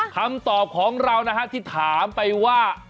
คำตอบของเรานะฮะที่ถามไปว่า